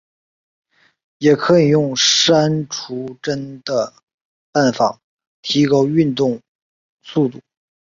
也可以用删除帧的办法提高运动速度。